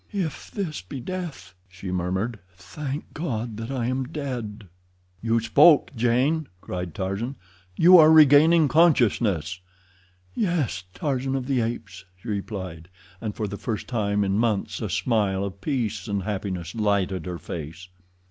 "If this be death," she murmured, "thank God that I am dead." "You spoke, Jane!" cried Tarzan. "You are regaining consciousness!" "Yes, Tarzan of the Apes," she replied, and for the first time in months a smile of peace and happiness lighted her face.